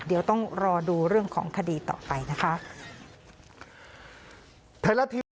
เดี๋ยวต้องรอดูเรื่องของคดีต่อไปนะคะ